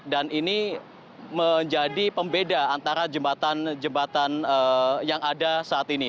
dan ini menjadi pembeda antara jembatan jembatan yang ada saat ini